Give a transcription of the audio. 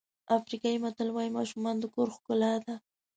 افریقایي متل وایي ماشومان د کور ښکلا ده.